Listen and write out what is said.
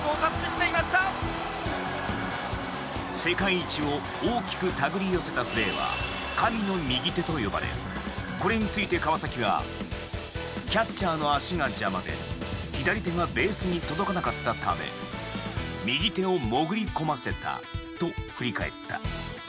世界一を大きく手繰り寄せたプレーは神の右手と呼ばれこれについて川崎がキャッチャーの足が邪魔で左手がベースに届かなかったため右手を潜り込ませたと振り返った。